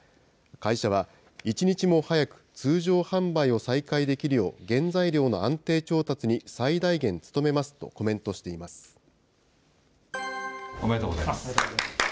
会社は一日も早く通常販売を再開できるよう原材料の安定調達に最大限努めますとコメントしていまおめでとうございます。